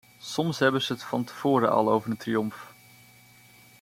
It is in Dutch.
Soms hebben ze het van tevoren al over een triomf.